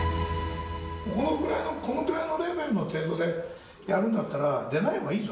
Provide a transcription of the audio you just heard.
このぐらいのレベルの程度でやるんだったら、出ないほうがいいぞ。